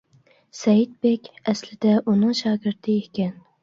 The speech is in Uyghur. سەئىد بېك ئەسلىدە ئۇنىڭ شاگىرتى ئىكەن.